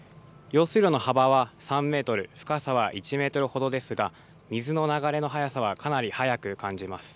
用水路の幅は３メートル、深さは１メートルほどですが、水の流れの速さはかなり速く感じます。